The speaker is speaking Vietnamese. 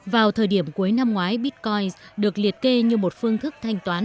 vào thời điểm cuối năm ngoái bitcoin được liệt kê như một phương thức thanh toán